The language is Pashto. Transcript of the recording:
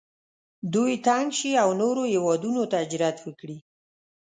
دوی تنګ شي او نورو هیوادونو ته هجرت وکړي.